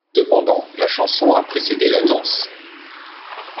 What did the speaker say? Cependant la chanson a précédé la danse.